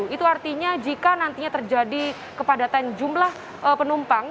itu artinya jika nantinya terjadi kepadatan jumlah penumpang